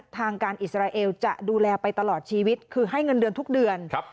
ทางการอิสราเอลจะดูแลไปตลอดชีวิตคือให้เงินเดือนทุกเดือน